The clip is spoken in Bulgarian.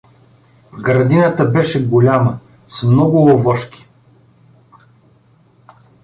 Градината беше голяма, с много овошки.